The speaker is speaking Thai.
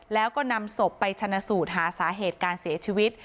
แล้วก็นำศพไปชนะสูตรหาสาเหตุการเสียชีวิต